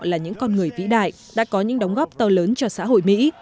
là những con người vĩ đại đã có những đóng góp to lớn cho xã hội mỹ